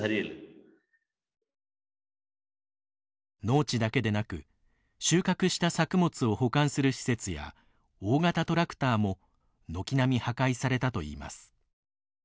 農地だけでなく収穫した作物を保管する施設や大型トラクターも軒並み破壊されたといいます。